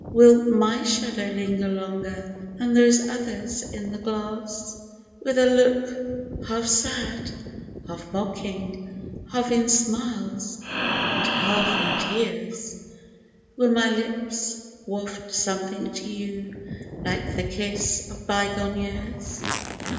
Will my shadow linger longer than those others in the glass ? With a look half sad, half mocking, — half in smiles and half in tears. Will my lips waft something to you like the kiss of bygone years